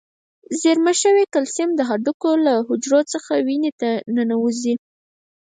زیرمه شوي کلسیم د هډوکو له حجرو څخه وینې ته ننوزي.